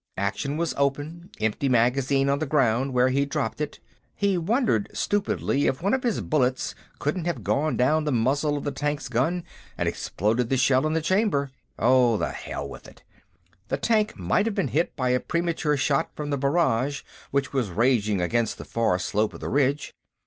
Action was open, empty magazine on the ground where he'd dropped it. He wondered, stupidly, if one of his bullets couldn't have gone down the muzzle of the tank's gun and exploded the shell in the chamber.... Oh, the hell with it! The tank might have been hit by a premature shot from the barrage which was raging against the far slope of the ridge.